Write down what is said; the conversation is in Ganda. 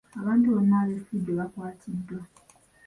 Abantu bonna ab'effujjo baakwatiddwa.